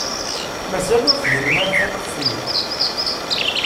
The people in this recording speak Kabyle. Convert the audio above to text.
Mazal ur fhimen ara taluft-nni?